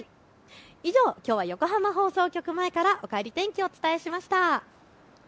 以上、きょうは横浜放送局前からおかえり天気、お伝えしました。